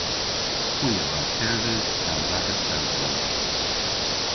Hwi a wra kerdhes gans agas dewdros.